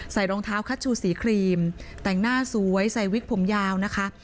รองเท้าคัชชูสีครีมแต่งหน้าสวยใส่วิกผมยาวนะคะ